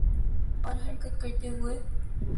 اور حرکت کرتے ہوئے